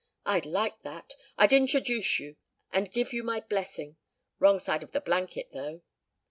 "I'd like that. I'll introduce you and give you my blessing. Wrong side of the blanket, though."